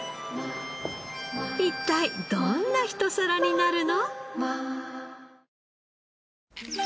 一体どんな一皿になるの？